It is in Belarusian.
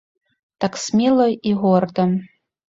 Так смела і горда.